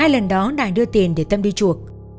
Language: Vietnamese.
hai lần đó đài đưa tiền để tâm đi chùa